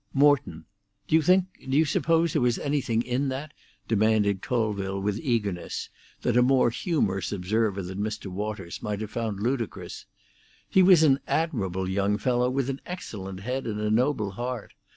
"Morton. Do you think—do you suppose there was anything in that?" demanded Colville, with eagerness, that a more humorous observer than Mr. Waters might have found ludicrous. "He was an admirable young fellow, with an excellent head and a noble heart.